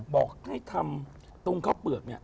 บอกให้ทำตุงข้าวเปลือกเนี่ย